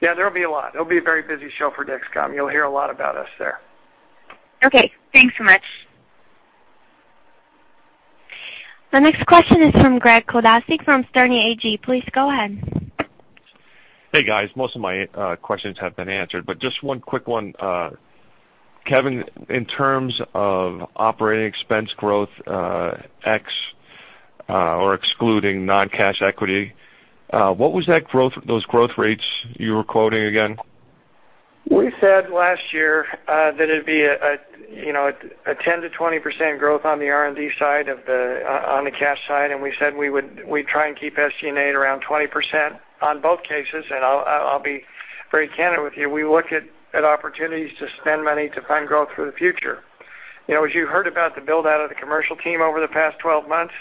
Yeah, there'll be a lot. It'll be a very busy show for Dexcom. You'll hear a lot about us there. Okay, thanks so much. The next question is from Greg Chodaczek from Sterne Agee. Please go ahead. Hey, guys. Most of my questions have been answered, but just one quick one. Kevin, in terms of operating expense growth, or excluding non-cash equity, what was that growth, those growth rates you were quoting again? We said last year that it'd be a 10%-20% growth on the R&D side on the cash side. We said we'd try and keep SG&A around 20% on both cases. I'll be very candid with you, we look at opportunities to spend money to fund growth for the future. As you heard about the build-out of the commercial team over the past 12 months,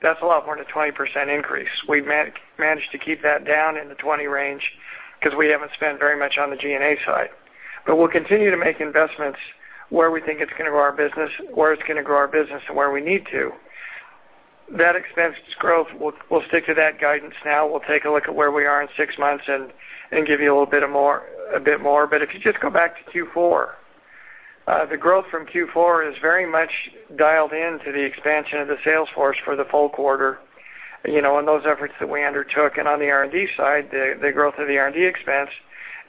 that's a lot more than a 20% increase. We managed to keep that down in the 20% range because we haven't spent very much on the G&A side. We'll continue to make investments where we think it's gonna grow our business and where we need to. That expense growth, we'll stick to that guidance now. We'll take a look at where we are in six months and give you a bit more. If you just go back to Q4, the growth from Q4 is very much dialed in to the expansion of the sales force for the full quarter, you know, and those efforts that we undertook. On the R&D side, the growth of the R&D expense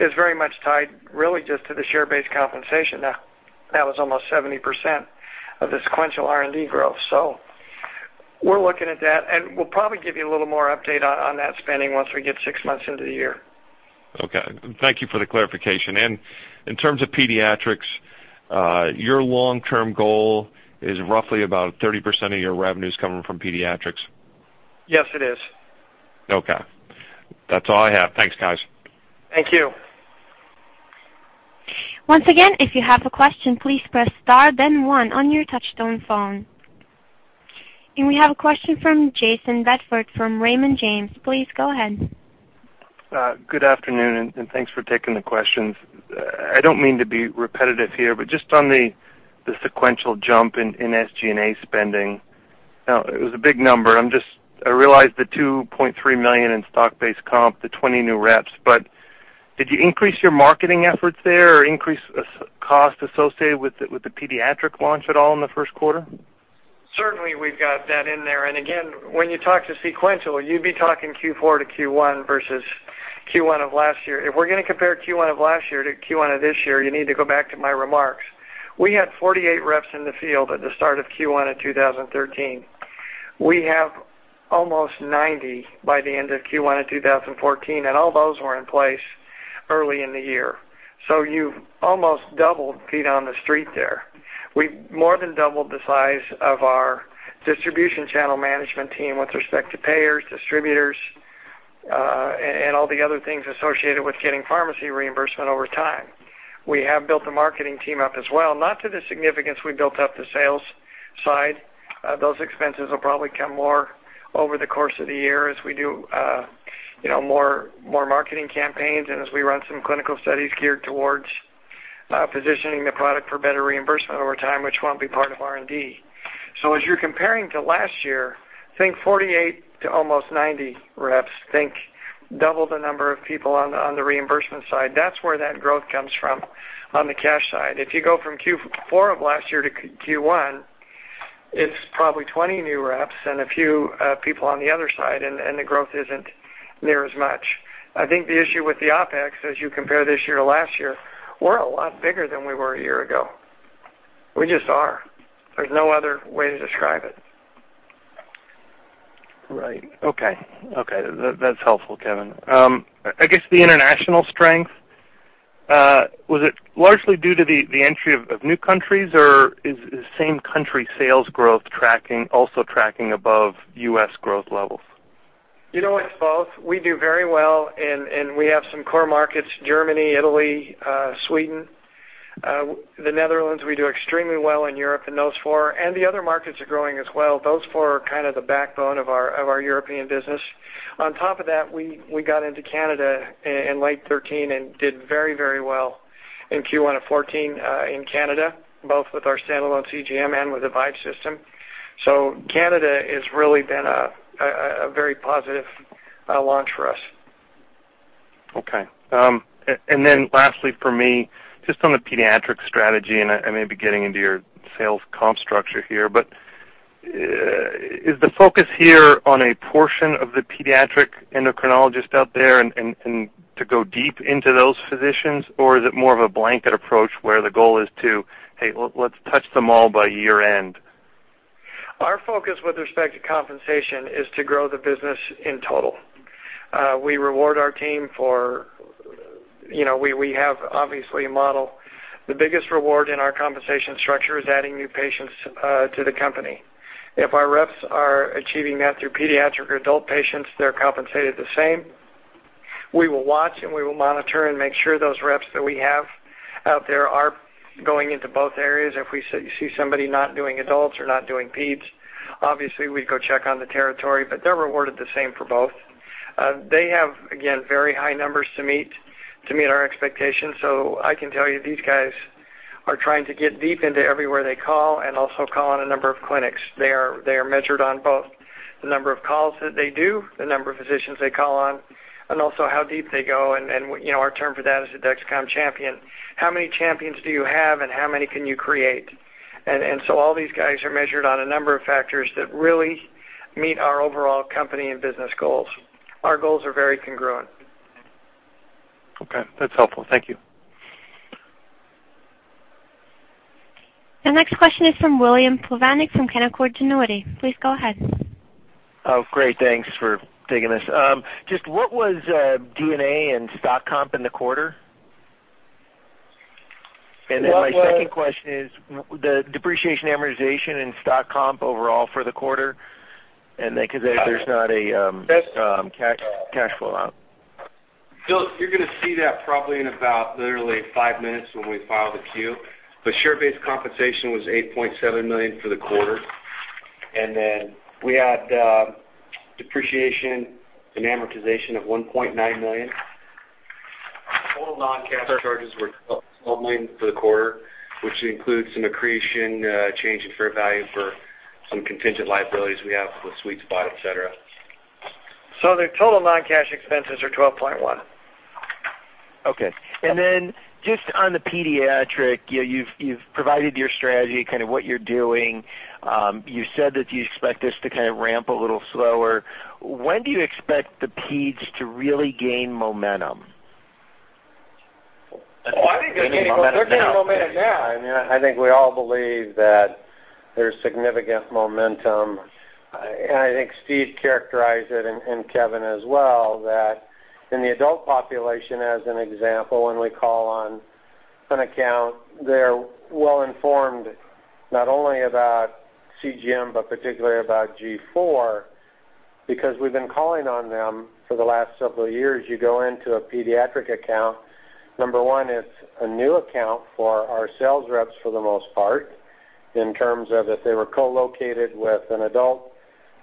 is very much tied really just to the share-based compensation. Now, that was almost 70% of the sequential R&D growth. We're looking at that, and we'll probably give you a little more update on that spending once we get six months into the year. Okay. Thank you for the clarification. In terms of pediatrics, your long-term goal is roughly about 30% of your revenues coming from pediatrics? Yes, it is. Okay. That's all I have. Thanks, guys. Thank you. Once again, if you have a question, please press star, then one on your touchtone phone. We have a question from Jayson Bedford, from Raymond James. Please go ahead. Good afternoon, and thanks for taking the questions. I don't mean to be repetitive here, but just on the sequential jump in SG&A spending, it was a big number. I realize the $2.3 million in stock-based comp, the 20 new reps. But did you increase your marketing efforts there or increase cost associated with the pediatric launch at all in the first quarter? Certainly, we've got that in there. Again, when you talk to sequential, you'd be talking Q4 to Q1 versus Q1 of last year. If we're gonna compare Q1 of last year to Q1 of this year, you need to go back to my remarks. We had 48 reps in the field at the start of Q1 in 2013. We have almost 90 by the end of Q1 in 2014, and all those were in place early in the year. You've almost doubled feet on the street there. We've more than doubled the size of our distribution channel management team with respect to payers, distributors, and all the other things associated with getting pharmacy reimbursement over time. We have built the marketing team up as well, not to the significance we built up the sales Those expenses will probably come more over the course of the year as we do, you know, more marketing campaigns and as we run some clinical studies geared towards positioning the product for better reimbursement over time, which won't be part of R&D. As you're comparing to last year, I think 48 to almost 90 reps, that's double the number of people on the reimbursement side. That's where that growth comes from on the cash side. If you go from Q4 of last year to Q1, it's probably 20 new reps and a few people on the other side, and the growth isn't near as much. I think the issue with the OpEx, as you compare this year to last year, we're a lot bigger than we were a year ago. We just are. There's no other way to describe it. Right. Okay. That's helpful, Kevin. I guess the international strength was it largely due to the entry of new countries or is the same country sales growth also tracking above U.S. growth levels? You know what? It's both. We do very well and we have some core markets, Germany, Italy, Sweden, the Netherlands. We do extremely well in Europe in those four, and the other markets are growing as well. Those four are kind of the backbone of our European business. On top of that, we got into Canada in late 2013 and did very well in Q1 of 2014 in Canada, both with our standalone CGM and with the Vibe system. Canada has really been a very positive launch for us. Okay. Last, for me, just on the pediatric strategy, I may be getting into your sales comp structure here, but is the focus here on a portion of the pediatric endocrinologists out there and to go deep into those physicians, or is it more of a blanket approach where the goal is to, "Hey, let's touch them all by year-end? Our focus with respect to compensation is to grow the business in total. We reward our team for you know we have obviously a model. The biggest reward in our compensation structure is adding new patients to the company. If our reps are achieving that through pediatric or adult patients, they're compensated the same. We will watch, and we will monitor and make sure those reps that we have out there are going into both areas. If we see somebody not doing adults or not doing pedes, obviously, we go check on the territory, but they're rewarded the same for both. They have, again, very high numbers to meet our expectations. I can tell you these guys are trying to get deep into everywhere they call and also call on a number of clinics. They are measured on both the number of calls that they do, the number of physicians they call on, and also how deep they go. You know, our term for that is the Dexcom champion. How many champions do you have and how many can you create? All these guys are measured on a number of factors that really meet our overall company and business goals. Our goals are very congruent. Okay. That's helpful. Thank you. The next question is from William Plovanic from Canaccord Genuity. Please go ahead. Oh, great. Thanks for taking this. Just what was D&A and stock comp in the quarter? My second question is the depreciation, amortization, and stock comp overall for the quarter, and then 'cause there's not a cash flow out. You're gonna see that probably in about literally five minutes when we file the Q. The share-based compensation was $8.7 million for the quarter. We had depreciation and amortization of $1.9 million. Total non-cash charges were $12 million for the quarter, which includes some accretion, change in fair value for some contingent liabilities we have with SweetSpot, et cetera. The total non-cash expenses are $12.1. Okay. Just on the pediatric, you've provided your strategy, kind of what you're doing. You said that you expect this to kind of ramp a little slower. When do you expect the pedes to really gain momentum? Oh, I think they're gaining. They're gaining momentum now. They're gaining momentum now. I mean, I think we all believe that there's significant momentum. I think Steve characterized it and Kevin as well, that in the adult population, as an example, when we call on an account, they're well informed, not only about CGM, but particularly about G4, because we've been calling on them for the last several years. You go into a pediatric account. Number one, it's a new account for our sales reps for the most part, in terms of if they were co-located with an adult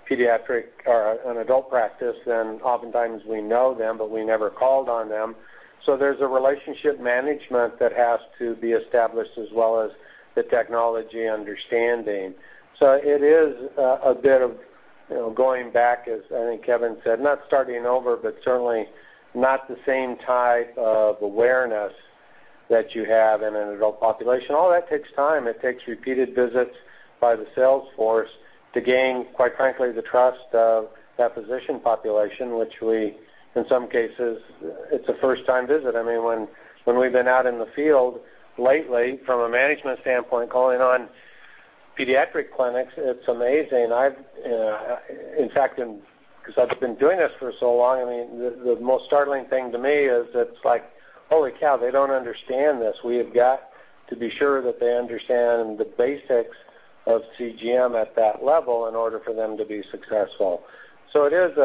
pediatric or an adult practice, then oftentimes we know them, but we never called on them. There's a relationship management that has to be established as well as the technology understanding. It is a bit of, you know, going back as I think Kevin said, not starting over, but certainly not the same type of awareness that you have in an adult population. All that takes time. It takes repeated visits by the sales force to gain, quite frankly, the trust of that physician population, which we in some cases, it's a first-time visit. I mean, when we've been out in the field lately from a management standpoint, calling on pediatric clinics, it's amazing. I've, in fact, and 'cause I've been doing this for so long, I mean, the most startling thing to me is it's like, holy cow, they don't understand this. We have got to be sure that they understand the basics of CGM at that level in order for them to be successful. It is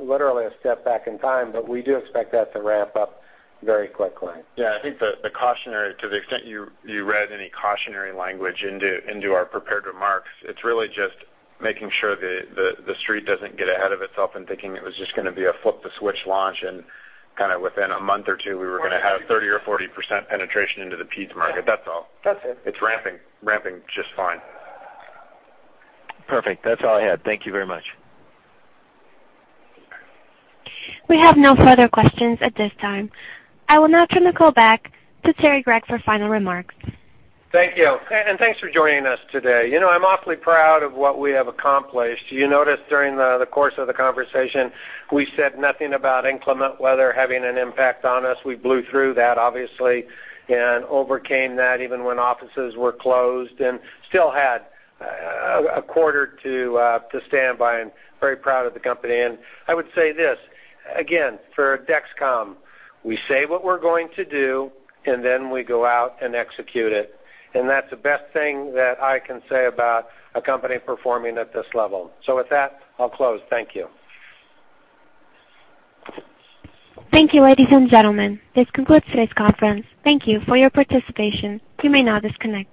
literally a step back in time, but we do expect that to ramp up very quickly. Yeah. I think the cautionary to the extent you read any cautionary language into our prepared remarks, it's really just making sure the Street doesn't get ahead of itself in thinking it was just gonna be a flip the switch launch and kind of within a month or two, we were gonna have 30% or 40% penetration into the peds market. That's all. That's it. It's ramping just fine. Perfect. That's all I had. Thank you very much. We have no further questions at this time. I will now turn the call back to Terry Gregg for final remarks. Thank you. Thanks for joining us today. You know, I'm awfully proud of what we have accomplished. You noticed during the course of the conversation, we said nothing about inclement weather having an impact on us. We blew through that, obviously, and overcame that even when offices were closed and still had a quarter to stand by and very proud of the company. I would say this, again, for Dexcom, we say what we're going to do, and then we go out and execute it. That's the best thing that I can say about a company performing at this level. With that, I'll close. Thank you. Thank you, ladies and gentlemen. This concludes today's conference. Thank you for your participation. You may now disconnect.